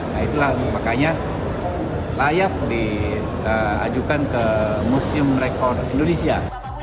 nah itulah makanya layak diajukan ke museum rekor indonesia